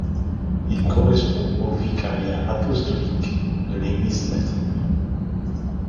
Il correspond au vicariat apostolique de l'Église latine.